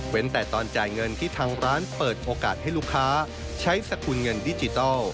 แต่ตอนจ่ายเงินที่ทางร้านเปิดโอกาสให้ลูกค้าใช้สกุลเงินดิจิทัล